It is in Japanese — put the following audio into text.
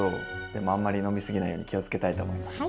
でもあんまり飲み過ぎないように気をつけたいと思います。